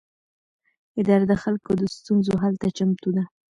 اداره د خلکو د ستونزو حل ته چمتو ده.